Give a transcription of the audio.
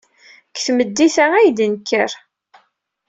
Deg temdint-a ay d-yenker.